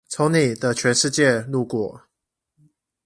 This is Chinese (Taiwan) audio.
從你的全世界路過